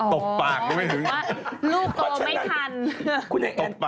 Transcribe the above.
ลูกโตไม่ทัน